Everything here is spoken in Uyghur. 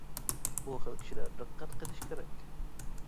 بۇ خىل كىشىلەر دىققەت قىلىش كېرەك.